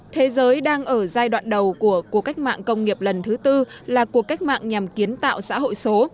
thế giới đang ở giai đoạn đầu của cuộc cách mạng công nghiệp lần thứ tư là cuộc cách mạng nhằm kiến tạo xã hội số